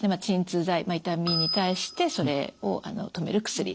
鎮痛剤痛みに対してそれを止める薬。